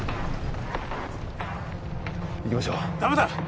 行きましょうダメだ！